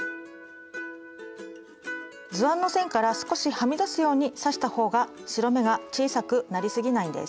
図案の線から少しはみ出すように刺したほうが白目が小さくなりすぎないんです。